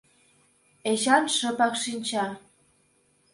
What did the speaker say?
Эчаншыпак шинча.